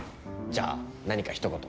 じゃあ何かひと言。